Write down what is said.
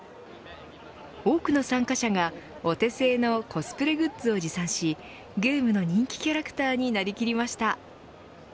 多くの参加者がお手製のコスプレグッズを持参しゲームの人気キャラクターになりきりました。